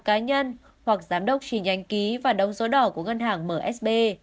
cá nhân hoặc giám đốc tri nhánh ký và đóng số đỏ của ngân hàng msb